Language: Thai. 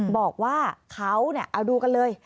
บอกว่าเขาเอาดูกันเลย